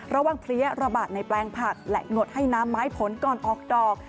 เพลี้ยระบาดในแปลงผักและหงดให้น้ำไม้ผลก่อนออกดอก